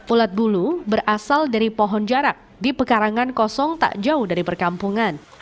ulat bulu berasal dari pohon jarak di pekarangan kosong tak jauh dari perkampungan